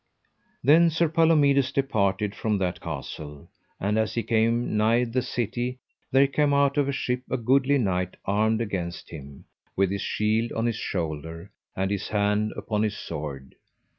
Then Sir Palomides departed from that castle. And as he came nigh the city, there came out of a ship a goodly knight armed against him, with his shield on his shoulder, and his hand upon his sword.